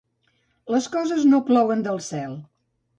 Les coses no plouen del cel.